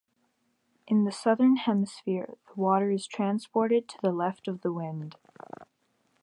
In the Southern Hemisphere, the water is transported to the left of the wind.